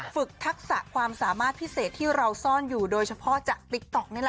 ทักษะความสามารถพิเศษที่เราซ่อนอยู่โดยเฉพาะจากติ๊กต๊อกนี่แหละ